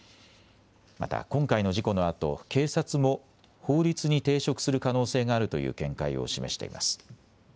また今回の事故のあと、警察も法律に抵触する可能性があるという見解を示しています。